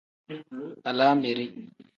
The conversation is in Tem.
Alaameri.